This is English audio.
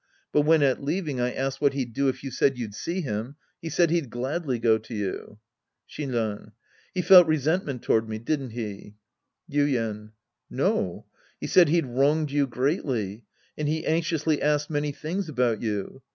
But when at leaving I asked what he'd do if you said you'd see him, he said he'd gladly go to you. Shinran. He felt resentment toward me, didn't he ? Yuien. No. He said he'd wronged you greatly. And he anxiously asked many things about you.